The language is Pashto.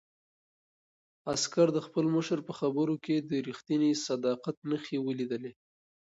عسکر د خپل مشر په خبرو کې د رښتیني صداقت نښې ولیدلې.